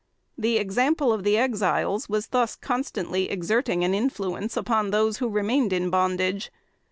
The example of the Exiles was thus constantly exerting an influence upon those who remained in bondage.